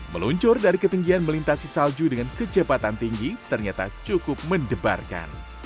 meluncur dari ketinggian melintasi salju dengan kecepatan tinggi ternyata cukup mendebarkan